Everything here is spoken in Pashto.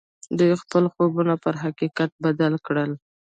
دوی خپل خوبونه پر حقيقت بدل کړل.